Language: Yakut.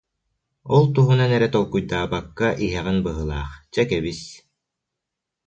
Ол туһунан эрэ толкуйдаабакка иһэҕин быһыылаах, чэ, кэбис